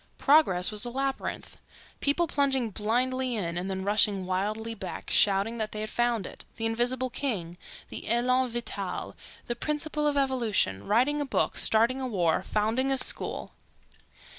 Progress was a labyrinth... people plunging blindly in and then rushing wildly back, shouting that they had found it... the invisible king—the elan vital—the principle of evolution... writing a book, starting a war, founding a school....